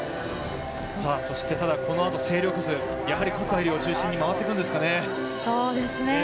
そして、このあとの勢力図はやはり谷愛凌を中心に回っていくんですかね。